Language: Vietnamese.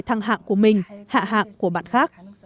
thăng hạng của mình hạ hạng của bạn khác